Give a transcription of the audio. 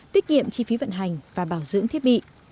tiết kiệm chi phí vận hành và bảo dưỡng thiết bị